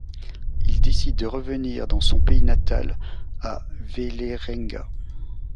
Il décide de revenir dans son pays natal à Vålerenga.